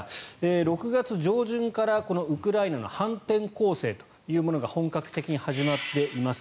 ６月上旬からウクライナの反転攻勢というものが本格的に始まっています。